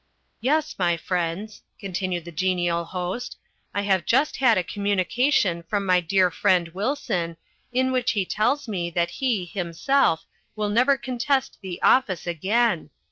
"Yes, my friends," continued the genial host, "I have just had a communication from my dear friend Wilson, in which he tells me that he, himself, will never contest the office again.